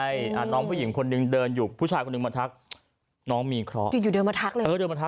อยู่เดินมาทักเลย